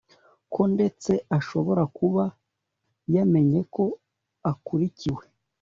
ko ndetse ashobora kuba yamenyeko akurikiwe